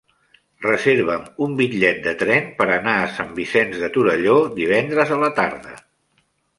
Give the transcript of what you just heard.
Reserva'm un bitllet de tren per anar a Sant Vicenç de Torelló divendres a la tarda.